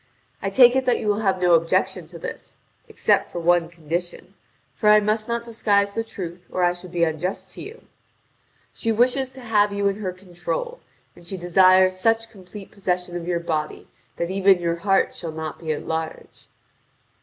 I take it that you will have no objection to this, except for one condition (for I must not disguise the truth, or I should be unjust to you): she wishes to have you in her control, and she desires such complete possession of your body that even your heart shall not be at large."